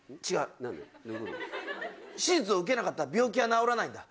手術を受けなかったら病気は治らないんだ。